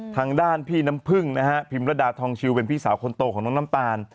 ทางด้านพี่น้ำพึ่งนะฮะพิมรดาทองชิวเป็นพี่สาวคนโตของน้องน้ำตาล